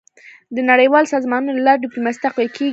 . د نړیوالو سازمانونو له لارې ډيپلوماسي تقویه کېږي.